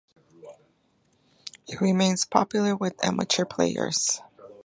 It remains popular with amateur players.